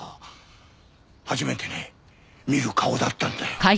初めてね見る顔だったんだよ。